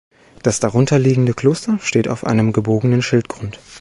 Das darunter liegende Kloster steht auf einem gebogenen Schildgrund.